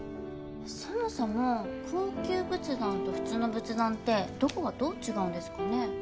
そもそも高級仏壇と普通の仏壇ってどこがどう違うんですかね？